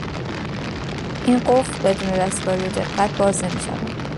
این قفل بدون دستکاری و دقت باز نمیشود.